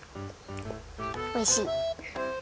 おいしい。